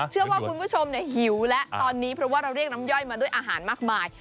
เชื่อว่าคุณผู้ชมหิวแล้วตอนนี้เพราะว่าเราเรียกน้ำย่อยมาด้วยอาหารมากมาย